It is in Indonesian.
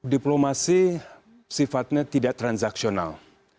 diplomasi sifatnya tidak transaksional